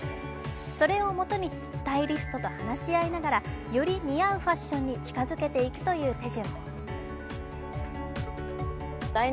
それを基にスタイリストと話し合いながらより似合うファッションに近づけていくという手順。